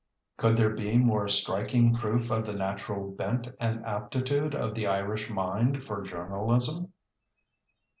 Could there be more striking proof of the natural bent and aptitude of the Irish mind for journalism?